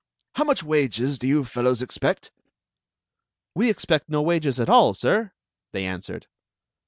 "How much wages do you fellows expect.^" "We expect no wages at all, sir," they answered.